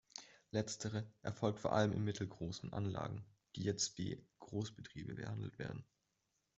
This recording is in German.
Letztere erfolgt vor allem in mittelgroßen Anlagen, die jetzt wie Großbetriebe behandelt werden.